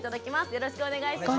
よろしくお願いします。